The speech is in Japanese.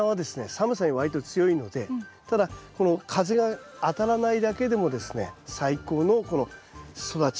寒さに割と強いのでただこの風が当たらないだけでもですね最高の育ちになります。